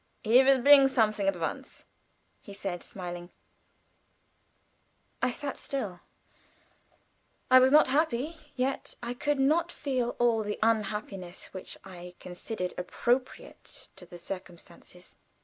"He will bring something at once," said he, smiling. I sat still. I was not happy, and yet I could not feel all the unhappiness which I considered appropriate to the circumstances.